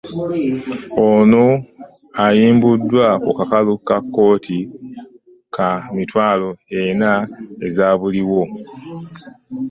Ono ayimbuddwa ku kakalu ka kkooti ka mitwalo ena ez'obuliwo